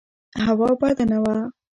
هوا بده نه وه.